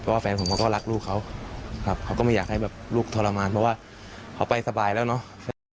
เพราะว่าแฟนผมเขาก็รักลูกเขาครับเขาก็ไม่อยากให้แบบลูกทรมานเพราะว่าเขาไปสบายแล้วเนาะ